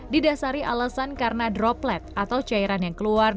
didasari alasan karena droplet atau cairan yang keluar